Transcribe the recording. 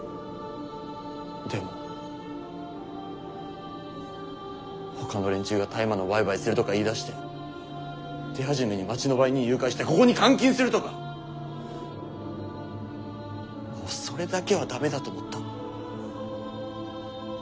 でもほかの連中が大麻の売買するとか言いだして手始めに街の売人誘拐してここに監禁するとかもうそれだけはダメだと思った。